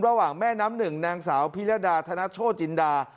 ระหว่างแม่น้ำหนึ่งนางสาวพิรดาธนโชจินดา